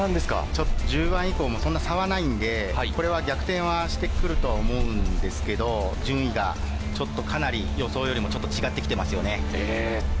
ちょっと１０番以降もそんな差はないんで、これは逆転はしてくるとは思うんですけど、順位がちょっとかなり予想よりもちょっと違ってきてますよね。